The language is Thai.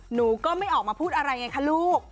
หนูก็ไม่ออกมาพูดอะไรไงคะลูก